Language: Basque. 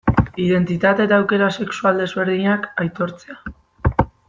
Identitate eta aukera sexual desberdinak aitortzea.